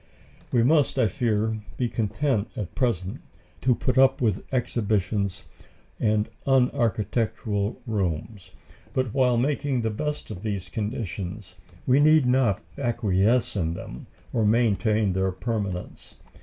We must, I fear, be content at present to put up with exhibitions and unarchitectural rooms. But while making the best of these conditions, we need not acquiesce in them or maintain their permanence.